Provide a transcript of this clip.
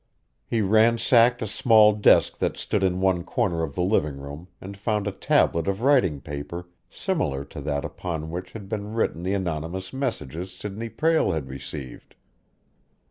He ransacked a small desk that stood in one corner of the living room and found a tablet of writing paper similar to that upon which had been written the anonymous messages Sidney Prale had received.